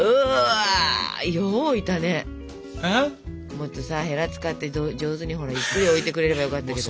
もっとさヘラ使って上手にゆっくり置いてくれればよかったけど。